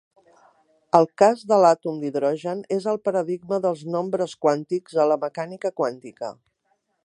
El cas de l'àtom d'hidrogen és el paradigma dels nombres quàntics a la mecànica quàntica.